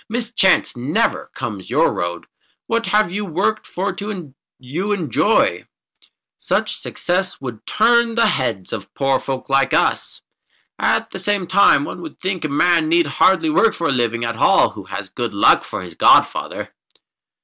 Mischance never comes your road. What you have worked for you enjoy. Such success would turn the heads of poor folk like us. At the same time one would think a man need hardly work for his living at all who has Good Luck for his godfather."